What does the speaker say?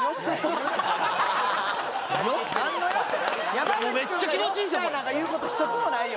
山口君が「よっしゃ」なんか言うこと一つもないよ